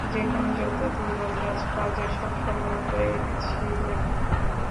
যেখানে যত দুর্লভ গাছ পাওয়া যায় সব সংগ্রহ করে এনেছিলেম।